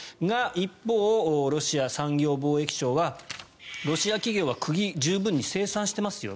一方、ロシア産業貿易省はロシア企業は釘を十分に生産していますよ